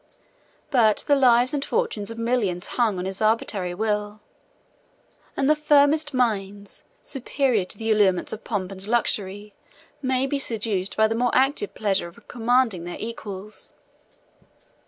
But the lives and fortunes of millions hung on his arbitrary will; and the firmest minds, superior to the allurements of pomp and luxury, may be seduced by the more active pleasure of commanding their equals.